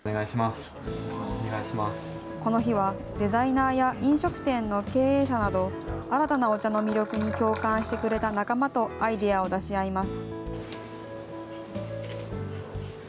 この日は、デザイナーや飲食店の経営者など、新たなお茶の魅力に共感してくれた仲間とアイデアを出し合います。